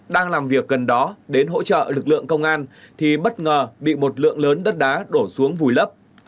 đang làm việc gần đó đến hỗ trợ lực lượng công an thì bất ngờ bị một lượng lớn đất đá đổ xuống vùi lấp